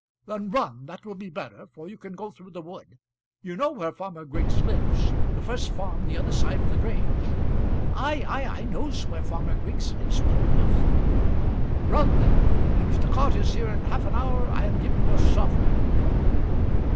"Then run; that will be better, for you can go through the wood. You know where Farmer Griggs lives. The first farm the other side of the Grange." "Ay, ay, I knows where Farmer Griggs lives well enough." "Run, then; and if the cart is here in half an hour I'll give you a sovereign."